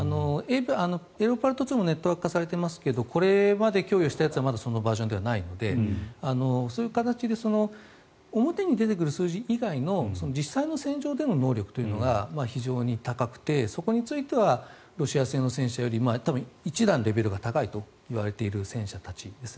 レオパルト２もネットワーク化されていますけどこれまで供与したやつはまだそのバージョンではないのでそういう形で表に出てくる数字以外の実際の戦場での能力というのが非常に高くてそこについてはロシア製の戦車より一段、レベルが高いといわれている戦車たちです。